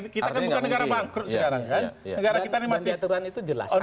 kita kan bukan negara bangkrut sekarang kan